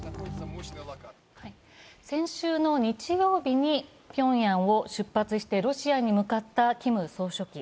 先週の日曜日にピョンヤンを出発してロシアに向かったキム総書記。